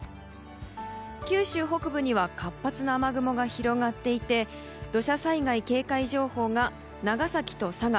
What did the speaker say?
九州北部には活発な雨雲が広がっていて土砂災害警戒情報が長崎と佐賀。